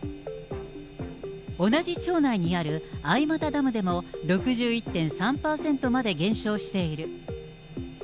同じ町内にある相俣ダムでも、６１．３％まで減少している。